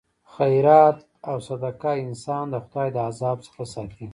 خیرات او صدقه انسان د خدای د عذاب څخه ساتي.